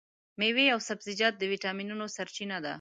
مېوې او سبزیجات د ویټامینونو سرچینه ده.